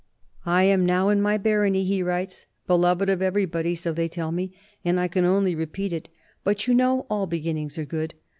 "... I am now in my barony," he writes, " beloved of everybody, so they tell me, and I can only repeat it ; but you know all beginnings are good.